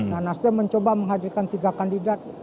nah nasdem mencoba menghadirkan tiga kandidat